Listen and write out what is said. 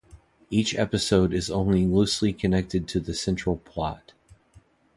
Each episode is only loosely connected to the central plot.